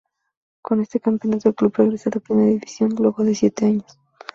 Con este campeonato, el club regresa a la Primera División luego de siete años.